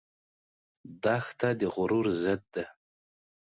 دښته د غرور ضد ده.